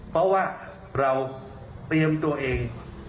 เพราะว่าเราเตรียมตัวเอง